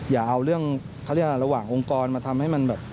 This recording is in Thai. อย่าเอาเรื่องเขาเรียกว่าระหว่างองค์กรมาทำให้มันแบบ